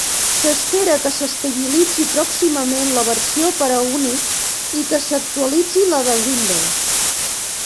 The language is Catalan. S'espera que s'estabilitzi pròximament la versió per a Unix i que s'actualitzi la de Windows.